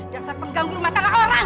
dasar pengganggu rumah tangga orang